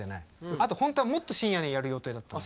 あと本当はもっと深夜にやる予定だったの。